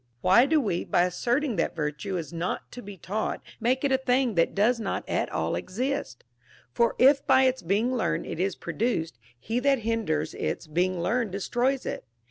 Why do we, by asserting that virtue is not to be taught, make it a thing that does not at all exist ? For if by its ΤΠΛΤ VIRTUE MAY BE TAUGHT. 79 being learned it is produced, he that hinders its being learned destroys it.